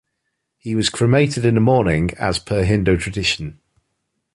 He was cremated the morning after as per Hindu tradition.